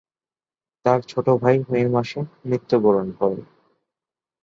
তার ছোট ভাই মে মাসে মৃত্যুবরণ করে।